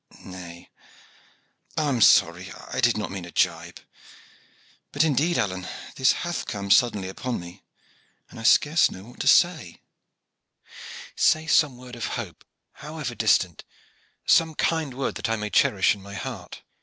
Nay, I am sorry; I did not mean a jibe. But, indeed, Alleyne, this hath come suddenly upon me, and I scarce know what to say." "Say some word of hope, however distant some kind word that I may cherish in my heart."